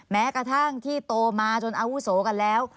แม้กระทั่งที่โตมาจนอาวุโสกันแล้ว